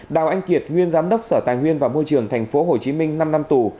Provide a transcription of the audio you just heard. đào anh kiệt nguyên giám đốc sở tài nguyên và môi trường tp hcm năm năm tù